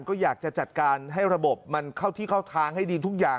ก็อยากจะจัดการให้ระบบมันเข้าที่เข้าทางให้ดีทุกอย่าง